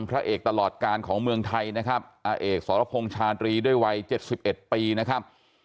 พระเอกตลอดการของเมืองไทยนะครับอาเอกสรพงษ์ชาตรีด้วยวัย๗๑ปีนะครับ